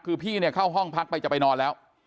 คือพี่เนี่ยเข้าห้องพักไปจะไปนอนแล้ว